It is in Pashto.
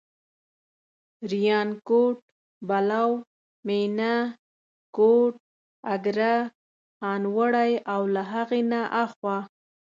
ریانکوټ، بلو، مېنه، کوټ، اګره، خانوړی او له هغې نه اخوا.